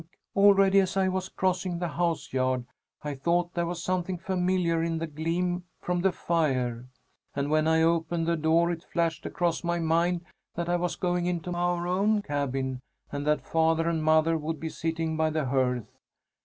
Already, as I was crossing the house yard, I thought there was something familiar in the gleam from the fire, and when I opened the door, it flashed across my mind that I was going into our own cabin and that father and mother would be sitting by the hearth.